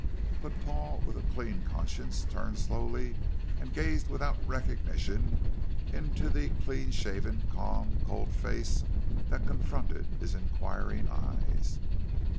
But Paul, with a clean conscience, turned slowly, and gazed without recognition into the clean shaven, calm, cold face that confronted his inquiring eyes.